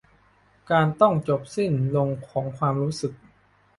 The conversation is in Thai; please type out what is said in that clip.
การต้องจบสิ้นลงของความรู้สึก